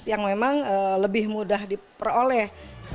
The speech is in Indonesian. yang memang lebih mudah diperoleh